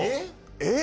えっ？